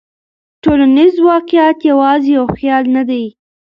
ټولنیز واقعیت یوازې یو خیال نه دی.